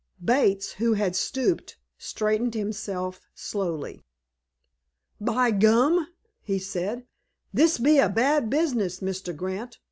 Bates, who had stooped, straightened himself slowly. "By gum!" he said, "this be a bad business, Mr. Grant.